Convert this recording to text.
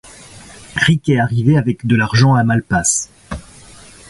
Riquet arrivait avec de l'argent à Malpas.